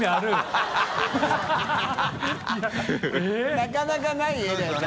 なかなかない絵だよね。